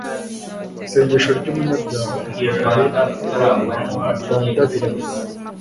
isengesho ry'umunyabyago igihe adandabiranye